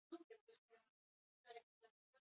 Bere haurtzaroa nahiko ezezaguna da.